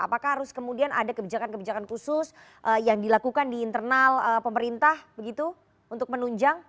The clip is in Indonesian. apakah harus kemudian ada kebijakan kebijakan khusus yang dilakukan di internal pemerintah begitu untuk menunjang